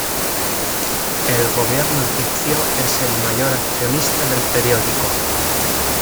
El Gobierno egipcio es el mayor accionista del periódico.